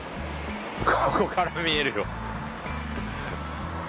ここから見えるよ。